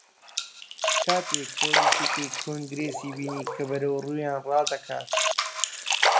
کاتێک پۆلیسێکی کۆنگرێسی بینی کە بەرەو ڕوویان ڕادەکات